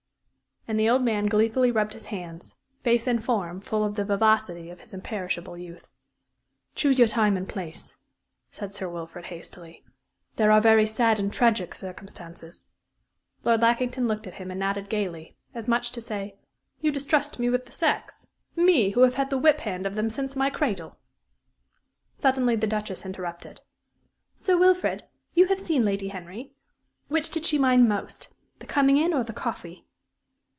And the old man gleefully rubbed his hands, face and form full of the vivacity of his imperishable youth. "Choose your time and place," said Sir Wilfrid, hastily. "There are very sad and tragic circumstances " Lord Lackington looked at him and nodded gayly, as much as to say, "You distrust me with the sex? Me, who have had the whip hand of them since my cradle!" Suddenly the Duchess interrupted. "Sir Wilfrid, you have seen Lady Henry; which did she mind most the coming in or the coffee?"